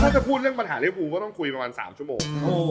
ถ้าจะพูดเรื่องวิทยอคภูมิมันจะต้องคุยประมาณ๓ชั่วโมง